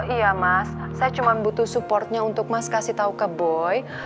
iya mas saya cuma butuh supportnya untuk mas kasih tahu ke boy